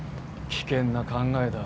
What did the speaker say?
危険な考えだ。